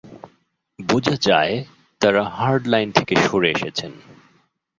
বোঝা যায়, তাঁরা হার্ডলাইন থেকে সরে এসেছেন।